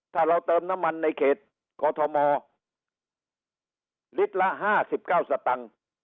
ถ้าเราเติมน้ำมันในเขตกอทมลิตรละ๕๙สตังค์